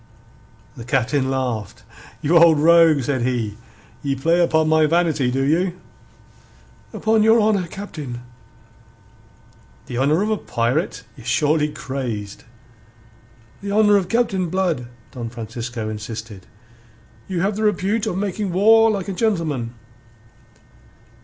The Captain laughed. "You old rogue," said he. "Ye play upon my vanity, do you?" "Upon your honour, Captain." "The honour of a pirate? Ye're surely crazed!" "The honour of Captain Blood," Don Francisco insisted. "You have the repute of making war like a gentleman."